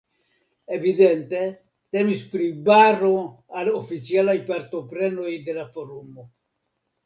Evidente temis pri baro al oficialaj partoprenoj de la forumo.